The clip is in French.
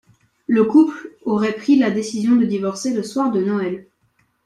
Le couple aurait pris la décision de divorcer le soir de Noël.